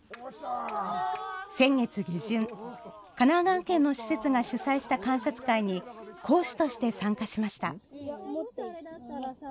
先月下旬、神奈川県の施設が主催した観察会に、講師として参加しました。